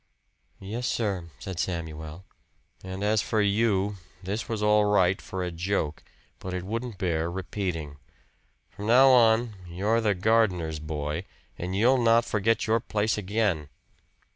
"Yes, sir," said Samuel. "And as for you, this was all right for a joke, but it wouldn't bear repeating. From now on, you're the gardener's boy, and you'll not forget your place again."